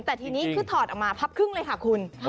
แต่ทีนี้คือถอดออกมาพับครึ่งเลยค่ะคุณ